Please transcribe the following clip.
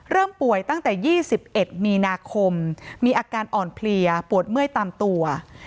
ป่วยตั้งแต่๒๑มีนาคมมีอาการอ่อนเพลียปวดเมื่อยตามตัว